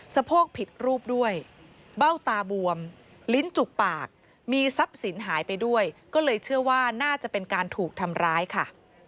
โพกผิดรูปด้วยเบ้าตาบวมลิ้นจุกปากมีทรัพย์สินหายไปด้วยก็เลยเชื่อว่าน่าจะเป็นการถูกทำร้ายค่ะ